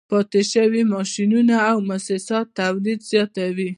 پاتې شوي ماشینونه او موسسات تولید زیاتوي